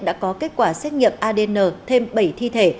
đã có kết quả xét nghiệm adn thêm bảy thi thể